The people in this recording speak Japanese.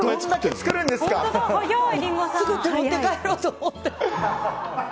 作って持って帰ろうと思って。